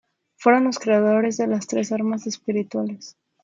Fueron los creadores de las tres armas espirituales.